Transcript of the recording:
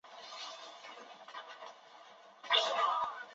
奥斯威辛是波兰小波兰省的一个镇。